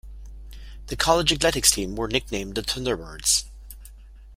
The college athletics teams are nicknamed the Thunderbirds.